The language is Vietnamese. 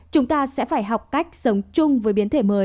chúng ta sẽ phải học cách sống chung với các nhà hàng và quán bar